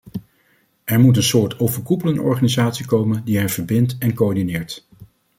Er moet een soort overkoepelende organisatie komen die hen verbindt en coördineert.